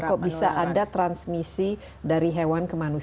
kok bisa ada transmisi dari hewan ke manusia